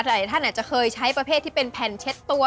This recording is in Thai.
หลายท่านอาจจะเคยใช้ประเภทที่เป็นแผ่นเช็ดตัว